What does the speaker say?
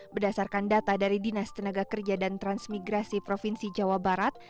berdasarkan data dari dinas tenaga kerja dan transmigrasi provinsi jawa barat